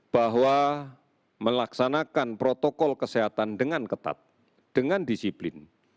bahwa melaksanakan protokol kesehatan dengan ketat dengan disiplin